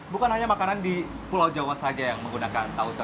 bukan hanya makanan di pulau jawa saja yang menggunakan tauco